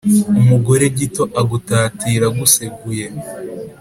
Umugore gito agutatira aguseguye.